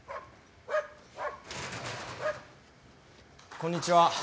こんにちは。